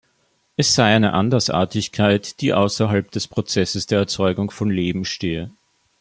Es sei eine Andersartigkeit, die außerhalb des Prozesses der Erzeugung von Leben stehe.